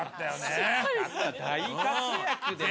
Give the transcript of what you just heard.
大活躍でね。